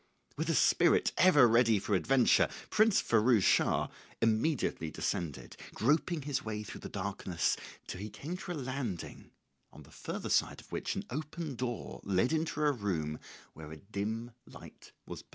With a spirit ever ready for adventure Prince Firouz Schah immediately descended, groping his way through the darkness till he came to a landing on the further side of which an open door led into a room where a dim light was burning.